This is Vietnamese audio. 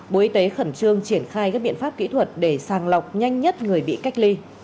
bộ y tế khẩn trương triển khai các biện pháp kỹ thuật để sàng lọc nhanh nhất người bị cách ly